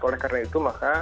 oleh karena itu maka